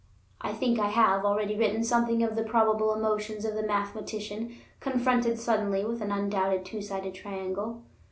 I think I have, already written something of the probable emotions of the mathematician confronted suddenly with an undoubted two sided triangle.